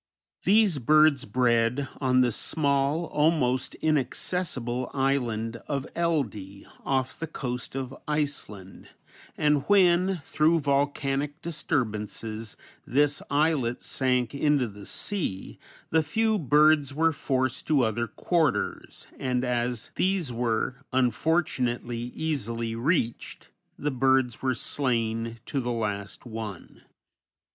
These birds bred on the small, almost inaccessible island of Eldey, off the coast of Iceland, and when, through volcanic disturbances, this islet sank into the sea, the few birds were forced to other quarters, and as these were, unfortunately, easily reached, the birds were slain to the last one.